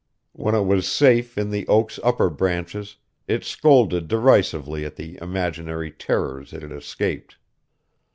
When it was safe in the oak's upper branches, it scolded derisively at the imaginary terrors it had escaped.